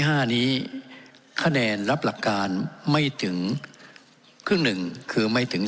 ห้านี้คะแนนรับหลักการไม่ถึงครึ่งหนึ่งคือไม่ถึง